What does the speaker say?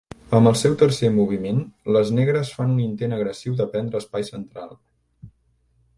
Amb el seu tercer moviment, les negres fan un intent agressiu de prendre espai central.